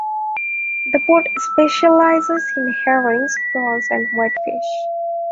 The port specialises in herrings, prawns, and whitefish.